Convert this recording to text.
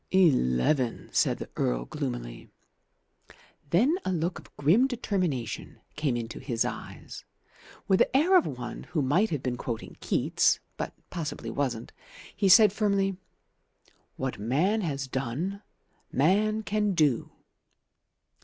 "Eleven," said the Earl gloomily. Then a look of grim determination came into his eyes. With the air of one who might have been quoting Keats, but possibly wasn't, he said firmly: "What man has done, man can do."